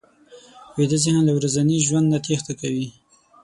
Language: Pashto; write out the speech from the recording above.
ویده ذهن له ورځني ژوند نه تېښته کوي